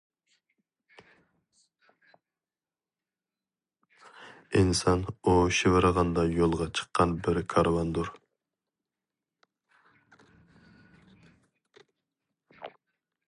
ئىنسان ئو شىۋىرغاندا يولغا چىققان بىر كارۋاندۇر.